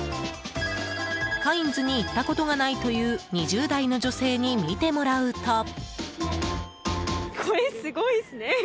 カインズに行ったことがないという２０代の女性に見てもらうと。